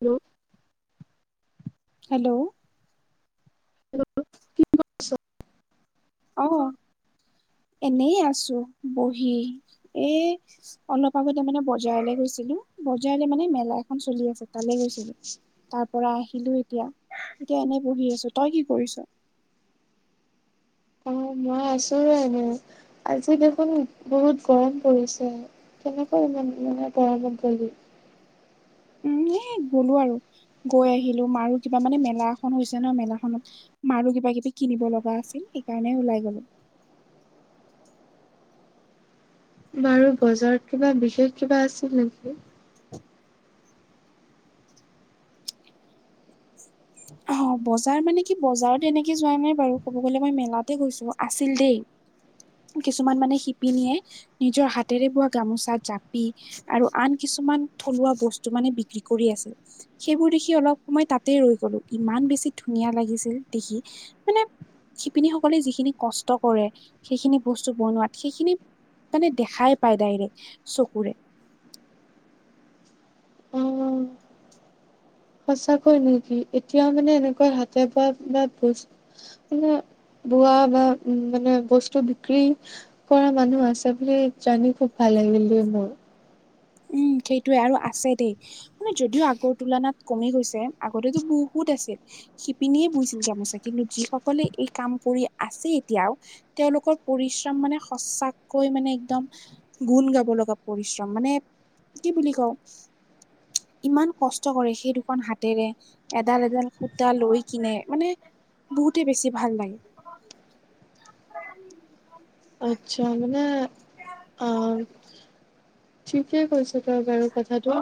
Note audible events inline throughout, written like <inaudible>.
Hello hello hello অ এনেই আছো বহি এ অলপ আগতে মানে বজাৰলে গৈছিলো বজাৰলে মানে মেলা এখন চলি আছে তালে গৈছিলো তাৰ পৰা আহিলো এতিয়া, এতিয়া এনে বহি আছো তই কি কৰিছ? অ মই আছো এনে আজি দেখোন বহুত গৰম পৰিছে কেনেকৈ ইমান মানে পৰাগ্ৰম কৰিবি উম এ গ'লো আৰু গৈ আহিলো মাৰো কিবা মানে মেলা এখন হৈছে ন মেলাখনত মাৰো কিবা কিবি কিনিব লগা আছিল সেইকাৰণে ওলাই গলো বাৰু বজাৰত কিবা বিশেষ কিবা আছিল নেকি? <inaudible> অ বজাৰ মানে কি বজাৰত এনেকে যোৱা নাই বাৰু ক'ব গলে মই মেলাতে গৈছো আছিল দেই কিছুমান মানে শিপিনীয়ে নিজৰ হাতেৰে বোৱা গামোচা জাপি আৰু আন কিছুমান থলুৱা বস্তু মানে বিক্ৰী কৰি আছিল সেইবোৰ দেখি অলপ সময় তাতেই ৰৈ গলো ইমান বেছি ধুনীয়া লাগিছিল দেখি মানে শিপিনীসকলে যিখিনি কষ্ট কৰে সেইখিনি বস্তু বনোৱাত সেইখিনি মানে দেখাই পায় ডাইৰেক্ট চকুৰে অ সঁচাকৈ নেকি এতিয়াও মানে এনেকুৱা হাতে বোৱা বা বস্তু মানে বোৱা বা উম মানে বস্তু বিক্ৰী কৰা মানুহ আছে বুলি জানি খুব ভাল লাগিল দেই মোৰ উম সেইটোৱে আৰু আছে দেই মানে যদিও আগৰ তুলনাত কমি গৈছে আগতেতো বহুত আছিল শিপিনীয়ে বুইছিল গামোচা কিন্তু যি সকলে এই কাম কৰি আছে এতিয়াও তেওঁলোকৰ পৰিশ্ৰম মানে সচাকৈ মানে একদম গুণ গাব লগা পৰিশ্ৰম মানে কি বুলি কওঁ ইমান কষ্ট কৰে সেই দুখন হাতেৰে এডাল এডাল সূতা লৈ কিনে মানে বহুতে বেছি ভাল লাগে আচ্ছা মানে অ ঠিকে কৈছ হয় বাৰু কথাটো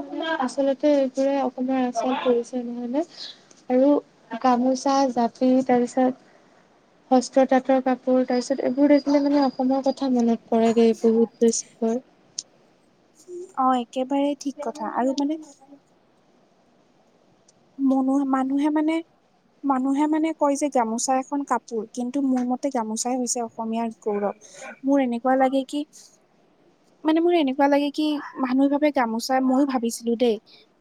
আচলতে এইবোৰে অসমৰ আচত পৰিচয় নহয় নে আৰু গামোচা, জাপি, তাৰপিছত হস্ত তাঁতৰ কাপোৰ তাৰপিছত এইবোৰ দেখিলে মানে অসমৰ কথা মনত পৰে দেই বহুত বেছি মোৰ অ একেবাৰে ঠিক কথা আৰু মানে মনো মানুহে মানে মানুহে মানে কৰিছে গামোচা এখন কাপোৰ কিন্তু মোৰ মতে গামোচাই হৈছে অসমীয়াৰ গৌৰৱ মোৰ এনেকুৱা লাগে কি মানে মোৰ এনেকুৱা লাগে কি মানুহে ভাৱে গামোচা ময়ো ভাবিছিলো দেই-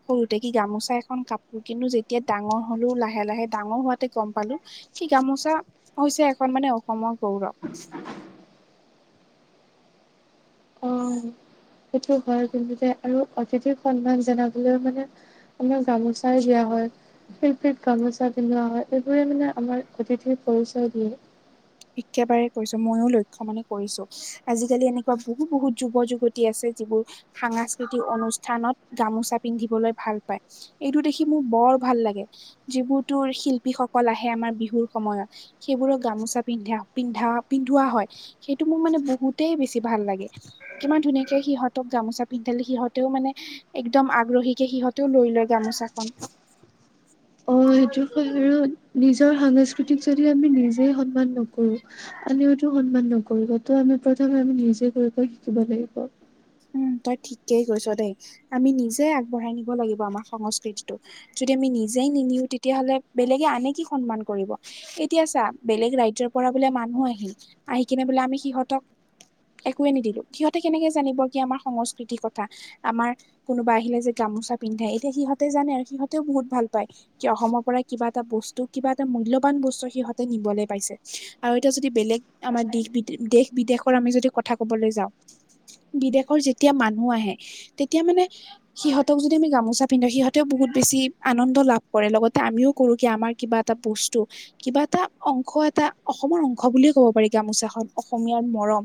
সৰুতে কি গামোচা এখন কাপোৰ। কিন্তু যেতিয়া ডাঙৰ হলো লাহে লাহে ডাঙৰ হোৱাতে গম পালো কি গামোচা হৈছে এখন মানে অসমৰ গৌৰৱ। অ', সেইটো হয় কিন্তু যে আৰু অতিথিৰ সন্মান জনাবলৈ মানে আমাৰ গামোচাই দিয়া হয়। শিল্পীত গামোচা পিন্ধৱা হয়, এইবোৰে মানে আমাৰ অতিথিৰ পৰিচয় দিয়ে। একেবাৰে কৰিছো ময়ো লক্ষ্য মানে কৰিছো। আজিকালি এনেকুৱা বহুত বহুত যুৱ-যুৱতী আছে যিবোৰ সাংস্কৃতিক অনুষ্ঠানত গামোচা পিন্ধিবলৈ ভাল পায়। এইটো দেখি মোৰ বৰ ভাল লাগে। যিবোৰ তৰ শিল্পীসকল আহে আমাৰ বিহুৰ সময়ত সেইবোৰৰ গামোচা পিন্ধা, পিন্ধা পিন্ধোৱা হয়। সেইটো মোৰ মানে বহুতেই বেছি ভাল লাগে। কিমান ধুনীয়াকে সিহঁতক গামোচা পিন্ধালে সিহঁতেও মানে একদম আগ্ৰহীকে সিহঁতেও লৈ লয় গামোচাখন। অ সেইটো হয়। আৰু নিজৰ সাংস্কৃতিক যদি আমি নিজে সন্মান নকৰো আমিওটো সন্মান নকৰিব ত আমি প্ৰথমে আমি নিজে কৰি শিকিব লাগিব। উম তই ঠিকেই কৈছ দেই। আমি নিজে আগবঢ়াই নিব লাগিব আমাৰ সংস্কৃতিটো। যদি আমি নিজেই নিনিও তেতিয়াহ'লে বেলেগে আনে কি সন্মান কৰিব? এতিয়া চা বেলেগ ৰাজ্যৰ পৰা বোলে মানুহ আহিল, আহি কিনে বোলে আমি সিহঁতক একোৱয়ে নিদিলো। সিহঁতে কেনেকে জানিব কি আমাৰ সংস্কৃতিৰ কথা আমাৰ কোনোবা আহিলে যে গামোচা পিন্ধে এতিয়া সিহঁতে জানে আৰু সিহঁতেও বহুত ভাল পায়। কি অসমৰ পৰা কিবা এটা বস্তু কিবা এটা মূল্যবান বস্তু সিহঁতে নিবলৈ পাইছে। আৰু এতিয়া যদি বেলেগ আমাৰ দেশ বিদ দেশ বিদেশৰ আমি যদি কথা কবলৈ যাওঁ, বিদেশৰ যেতিয়া মানুহ আহে তেতিয়া মানে সিহঁতক যদি আমি গামোচা পিন্ধাও, সিহঁতেও বহুত বেছি আনন্দ লাভ কৰে লগতে আমিও কৰো কি আমাৰ কিবা টা বস্তু কিবা এটা অংশ এটা অসমৰ অংশ বুলিয়ে কব পাৰি গামোচাখন অসমীয়াৰ মৰম,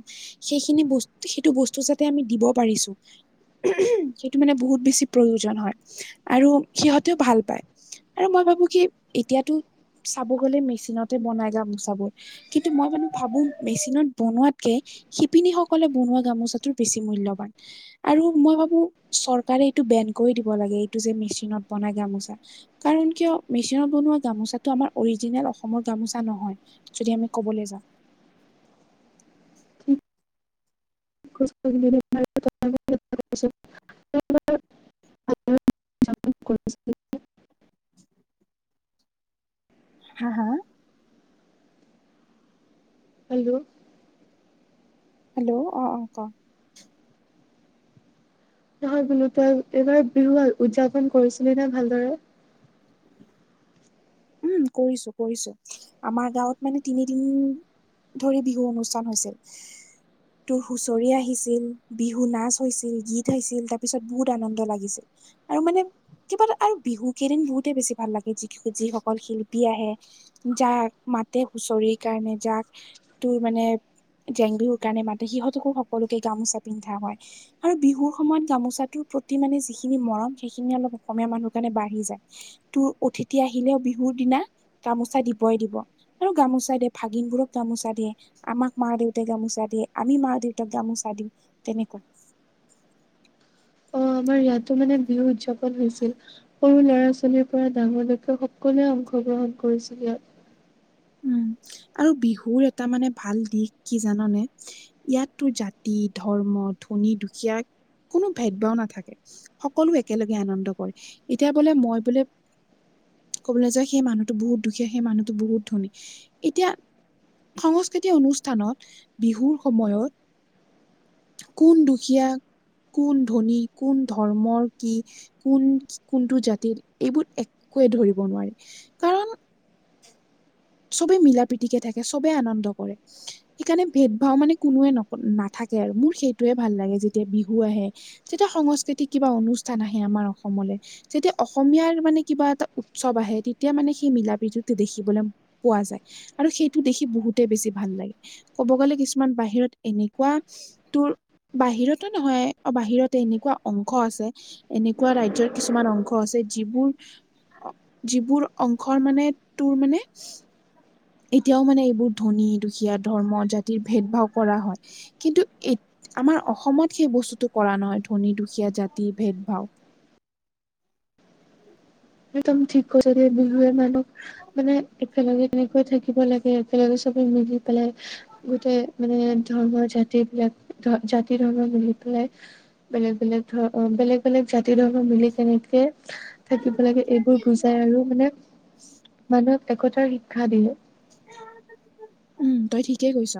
সেইখিনি বস্ত সেইটো বস্তু যাতে আমি দিব পাৰিছো। সেইটো মানে বহুত বেছি প্ৰয়োজন হয় আৰু সিহঁতেও ভাল পায়। আৰু মই ভাবো কি এতিয়াতো চাব গ'লে মেচিনতে বনাই গামোচাবোৰ, কিন্তু মই মানে ভাবো মেচিনত বনোৱাতকে শিপিনী সকলে বনোৱা গামোচা বেছি মূল্যবান। আৰু মই ভাবো চৰকাৰে এইটো বেন কৰি দিব লাগে এইটো যে মেচিনত বনাই গামোচা। কাৰণ কিয় মেচিনত বনোৱা গামোচাটো আমাৰ অৰিজিনেল অসমৰ গামোচা নহয়। যদি আমি ক'বলৈ যাওঁ। <unintelligible> <unintelligible> হা? হা? হেল্লো। হেল্লো অ অ ক। নহয় বোলো তই এইবাৰ বিহু উদযাপন কৰিছিলি নে ভালদৰে? উম কৰিছো কৰিছো আমাৰ গাঁৱত মানে তিনিদিন ধৰি বিহু অনুষ্ঠান হৈছিল। <unintelligible> তোৰ হুঁচৰি আহিছিল, বিহু নাচ হৈছিল, গীত হৈছিল, তাৰপিছত বহুত আনন্দ লাগিছিল। আৰু মানে কিবাটা আৰু বিহু কেইদিন বহুতে বেছি ভাল লাগে যি কি যি হক। অকল শিল্পী আহে যাক মাতে হুচৰি কাৰণে যাক তোৰ মানে জেং বিহুৰ কাৰণে মাতে সিহঁতকো সকলোকে গামোচা পিন্ধা হয় আৰু বিহুৰ সময়ত গামোচাটোৰ প্ৰতি মানে যিখিনি মৰম সেইখিনি অলপ অসমীয়া মানুহ কাৰণে বাঢ়ি যায়। তোৰ অতিথি আহিলেও বিহুৰ দিনা গামোচা দিবই দিব। আৰু গামোচা দিয়ে ভাগিনবোৰক গামোচা দিয়ে আমাক মা-দেউতাই গামোচা দিয়ে আমি মা-দেউতাক গামোচা দিওঁ তেনেকুৱা অ আমাৰ ইয়াতো মানে বিহু উদযাপন হৈছিল সৰু ল'ৰা-ছোৱালীৰ পৰা ডাঙৰলৈকে সকলোৱে অংশগ্ৰহণ কৰিছিল ইয়াত উম আৰু বিহুৰ এটা মানে ভাল দিশ কি জানানে ইয়াত তোৰ জাতি, ধৰ্ম, ধনী-দুখীয়া কোনো ভেদ ভাও নাথাকে। সকলো একেলগে আনন্দ কৰে এতিয়া বোলে মই বোলে কবলে যাও সেই মানুহটো বহুত দুখীয়া সেই মানুহটো বহুত ধনী এতিয়া সংস্কৃতি অনুষ্ঠানত বিহুৰ সময়ত কোন দুখীয়া, কোন ধনী, কোন ধৰ্মৰ কি কোন কোনটো জাতিৰ এইবোৰ একোৱে ধৰিব নোৱাৰি, কাৰণ সবেই মিলা প্ৰীতিকেই থাকে সবেই আনন্দ কৰে সেইকাৰণে ভেদ- ভাও মানে কোনোৱে নক নাথাকে আৰু মোৰ সেইটোয়ে ভাল লাগে যেতিয়া বিহু আহে যেতিয়া সংস্কৃতিক কিবা অনুষ্ঠান আহে আমাৰ অসমলে যেতিয়া অসমীয়াৰ মানে কিবা এটা উৎসৱ আহে তেতিয়া মানে সেই মিলা প্ৰীতি দেখিবলৈ পোৱা যায় আৰু সেইটো দেখি বহুতে বেছি ভাল লাগে ক'ব গ'লে কিছুমান বাহিৰত এনেকুৱা তোৰ বাহিৰতো নহয় অ বাহিৰতে এনেকুৱা অংশ আছে এনেকুৱা ৰাইজৰ কিছুমান অংশ আছে যিবোৰ অ যিবোৰ অংশৰ মানে তোৰ মানে এতিয়াও মানে এইবোৰ ধনী, দুখীয়া, ধৰ্ম, জাতিৰ ভেদ ভাৱ কৰা হয় কিন্তু এ আমাৰ অসমত সেই বস্তুটো কৰা নহয় ধনী, দুখীয়া, জাতি ভেদ-ভাও একদম ঠিক কৈছা দে বিহুৱে মানুহক মানে একেলগে কেনেকৈ থাকিব লাগে একেলগে সবে মিলি পেলাই গোটেই মানে ধৰ্মৰ জাতি বিলাক ধৰা জাতি ধৰ্ম মিলি পেলাই বেলেগ বেলেগ ধৰ অ বেলেগ বেলেগ জাতি ধৰ্ম মিলি তেনেকে থাকিব একেলগে এইবোৰ বুজাই আৰু মানে মানুহক একতাৰ শিক্ষা দিয়ে <inaudible> উম তই ঠিকেই কৈছ।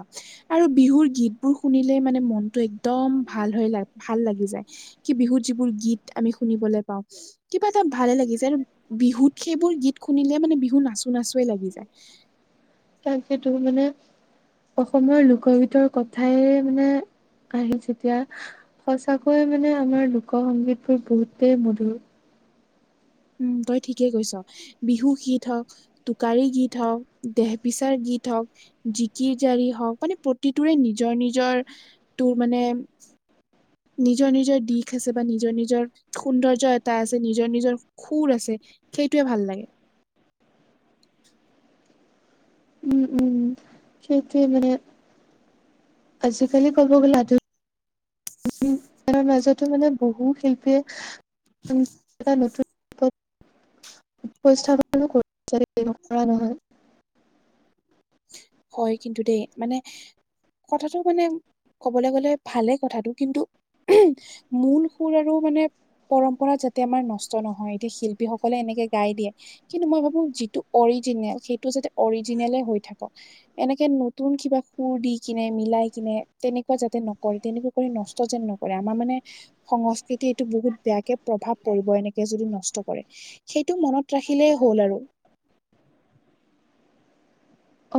আৰু বিহুৰ গীত বোৰ শুনিলে মানে মনটো একদম ভাল হৈ লা ভাল লাগি যায় কি বিহুত যিবোৰ গীত আমি শুনিবলৈ পাওঁ কিবা এটা ভালে লাগি যায় আৰু বিহুত সেইবোৰ গীত শুনিলে মানে বিহু নাচো নাচোৱে লাগি যায় সেইটো মানে অসমৰ লোক গীতৰ কথাই মানে আহে যেতিয়া সঁচাকৈয়ে মানে আমাৰ লোক সংগীতবোৰ বহুতেই মধুৰ উম তই ঠিকেই কৈছ বিহু কি থক টোকাৰী গীত হওঁক দেহ বিচাৰ গীত হওক জিকি জাৰি হওক মানে প্ৰতিটোৰে নিজৰ নিজৰ তোৰ মানে নিজৰ নিজৰ দিশ আছে বা নিজৰ নিজৰ সৌন্দৰ্য এটা আছে নিজৰ নিজৰ সুৰ আছে সেইটোৱে ভাল লাগে উম উম সেইটোৱে মানে। আজিকালি ক'ব গ'লে আধুনিক- তাৰ মাজতো মানে বহু শিল্পীয়ে উম এটা নতুন ৰূপত- উপস্থাপনো <unintelligible> <unintelligible> নহয় হয়, কিন্তু দেই মানে কথাটো মানে কবলৈ গ'লে ভালেই কথাটো কিন্তু মূল সুৰ আৰু মানে পৰম্পৰা যাতে আমাৰ নষ্ট নহয় এতিয়া শিল্পীসকলে এনেকে গাই দিয়ে। কিন্তু মই ভাবো যিটো অৰিজিনেল সেইটো যাতে অৰিজিনেলে হৈ থাকক। এনেকে নতুন কিবা সুৰ দি কিনে মিলাই কিনে তেনেকুৱা যাতে নক- কৰে তেনেকে কৰি নষ্ট যেন নকৰে আমাৰ মানে- সংস্কৃতি এইটো বহুত বেয়াকে প্ৰভাৱ পৰিব এনেকে যদি নষ্ট কৰে। সেইটো মনত ৰাখিলেই হ'ল আৰু।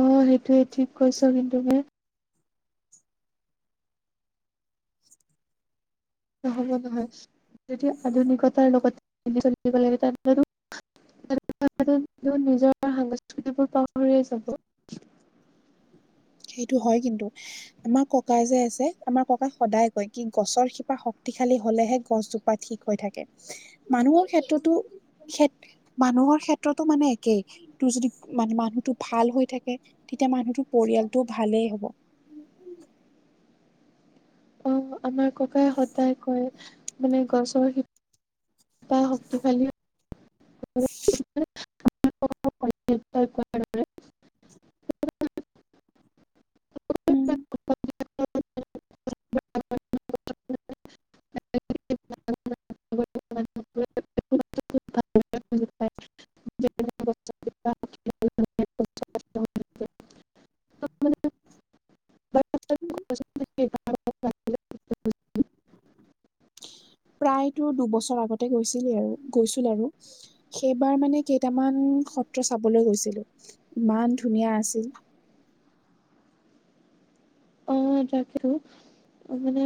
অ, সেইটোৱে ঠিক কৈছ। কিন্তু মই হব নহয় যদি আধুনিকতাৰ লগত চলিব লাগে তা'ত হেনো। নিজৰ সংস্কৃতিবোৰ পাহৰিয়ে যাব। সেইটো হয় কিন্তু। আমাৰ ককাই যে আছে আমাৰ ককাই সদায় কয় কি গছৰ শিপা শক্তিশালী হ'লেহে গছ জোপ- পা ঠিক হৈ থাকে। মানুহৰ ক্ষেত্ৰতো মানুহৰ ক্ষেত্ৰতো মানে একেই। তোৰ যদি মানে মানুহটো ভাল হৈ থাকে তেতিয়া মানুহটোৰ পৰিয়ালটোও ভালেই হ'ব। অঁ, আমাৰ ককাই সদায় কয় মানে গছৰ শিপা- শক্তিশালী হৈ থাকিব লাগে। উম। <inaudible> <inaudible> <unintelligible> প্ৰায়তো দুবছৰ আগতে গৈছিল আৰু গৈছিলো আৰু। সেইবাৰ মানে কেইটামান শক্তি চাবলৈ গৈছিলো, ইমান ধুনীয়া আছিল। অ, তাকেতো মানে